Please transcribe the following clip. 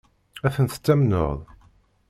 Ad tent-tamneḍ?